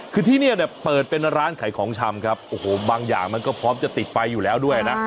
คือที่นี่เนี่ยเปิดเป็นร้านขายของชำครับโอ้โหบางอย่างมันก็พร้อมจะติดไฟอยู่แล้วด้วยนะ